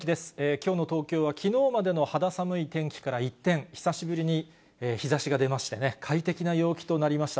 きょうの東京は、きのうまでの肌寒い天気から一転、久しぶりに日ざしが出ましてね、快適な陽気となりました。